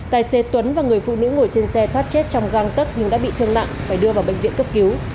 tài xế tuấn và người phụ nữ ngồi trên xe thoát chết trong găng tấc nhưng đã bị thương nặng phải đưa vào bệnh viện cấp cứu